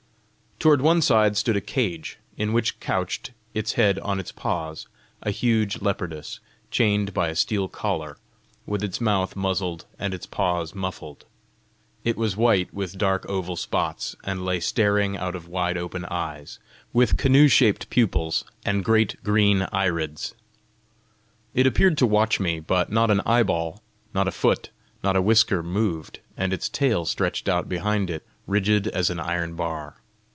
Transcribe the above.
Toward one side stood a cage, in which couched, its head on its paws, a huge leopardess, chained by a steel collar, with its mouth muzzled and its paws muffled. It was white with dark oval spots, and lay staring out of wide open eyes, with canoe shaped pupils, and great green irids. It appeared to watch me, but not an eyeball, not a foot, not a whisker moved, and its tail stretched out behind it rigid as an iron bar.